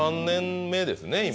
２３年目ですね